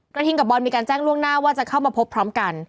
ทิงกับบอลมีการแจ้งล่วงหน้าว่าจะเข้ามาพบพร้อมกัน